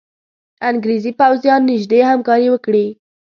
انګرېزي پوځیان نیژدې همکاري وکړي.